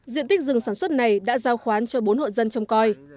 diện tích rừng sản xuất này đã giao khoán cho bốn hộ dân trong coi